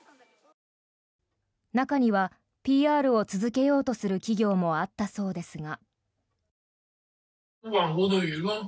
中にはＰＲを続けようとする企業もあったそうですが。